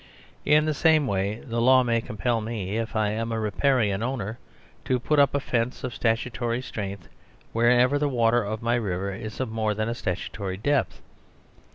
In the same way the law may compel me, if I am a Riparian owner, to put up a fence of statutory strength wherever the water of my river is of more than a statutory depth.